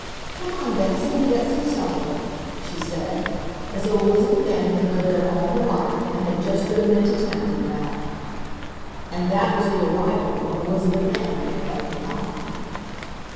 "Come on, Betsy, and get some supper," she said, as though Elizabeth Ann had lived there all her life and had just driven into town and back. And that was the arrival of Elizabeth Ann at Putney Farm.